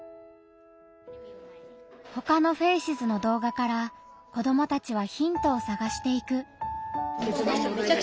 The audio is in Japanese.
ほかの「ＦＡＣＥＳ」の動画から子どもたちはヒントをさがしていく。